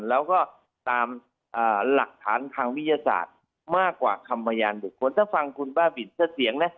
แล้วก็ตามหลักฐานทางวิทยาศาสตร์มากกว่าคำพยานบุคคลถ้าฟังคุณบ้าบินซะเสียงนะ